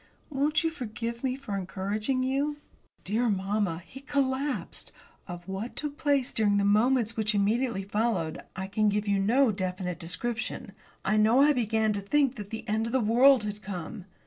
Won't you forgive me for encouraging you?" Dear mamma, he collapsed. Of what took place during the moments which immediately followed. I can give you no definite description. I know I began to think that the end of the world had come.